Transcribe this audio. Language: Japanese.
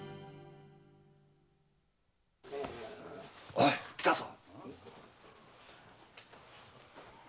おい来たぞ！